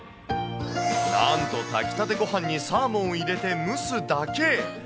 なんと、炊きたてごはんにサーモンを入れて蒸すだけ。